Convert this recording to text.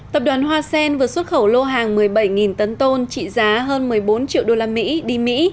tập đoàn hoa sen vừa xuất khẩu lô hàng một mươi bảy tấn tôn trị giá hơn một mươi bốn triệu usd đi mỹ